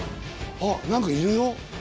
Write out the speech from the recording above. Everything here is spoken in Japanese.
あっ何かいるよ。